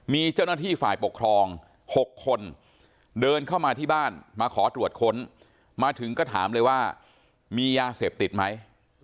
มีเจ้าหน้าที่ฝ่ายปกครอง๖คนเดินเข้ามาที่บ้านมาขอตรวจค้นมาถึงก็ถามเลยว่ามียาเสพติดไหม